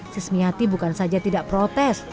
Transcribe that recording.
si semiati bukan saja tidak protes